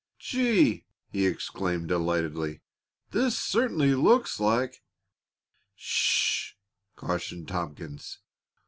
"Gee!" he exclaimed delightedly. "That certainly looks like " "Sh h!" cautioned Tompkins.